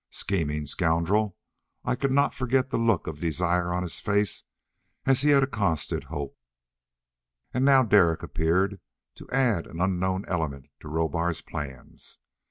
Scheming scoundrel! I could not forget the look of desire on his face as he had accosted Hope.... And now Derek appeared, to add an unknown element to Rohbar's plans.